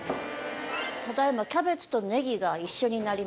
ただ今キャベツとネギが一緒になりました。